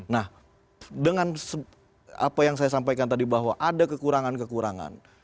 nah dengan apa yang saya sampaikan tadi bahwa ada kekurangan kekurangan